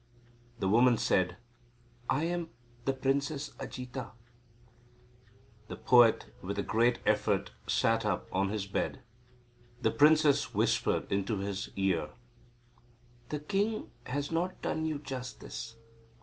The woman said; "I am the Princess Ajita." The poet with a great effort sat up on his bed. The princess whispered into his car: "The king has not done you justice.